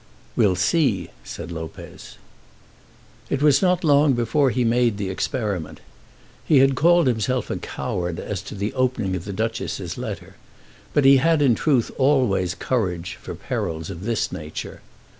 "We'll see," said Lopez. It was not long before he made the experiment. He had called himself a coward as to the opening of the Duchess's letter, but he had in truth always courage for perils of this nature.